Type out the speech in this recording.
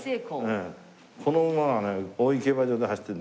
この馬はね大井競馬場で走ってた。